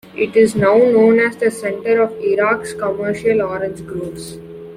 It is now known as the centre of Iraq's commercial orange groves.